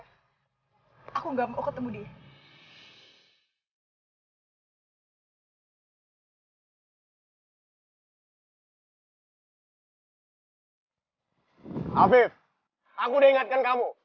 afif aku ingatkan kamu aku ingatkan kamu aku ingatkan kamu aku ingatkan kamu aku ingatkan kamu